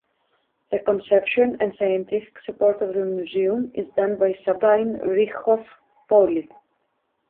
The conception and scientific support of the museum is done by Sabine Rieckhoff-Pauli.